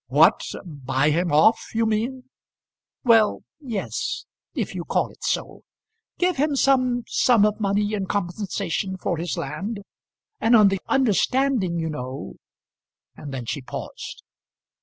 "What; buy him off, you mean?" "Well, yes; if you call it so. Give him some sum of money in compensation for his land; and on the understanding, you know ," and then she paused.